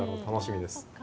楽しみです。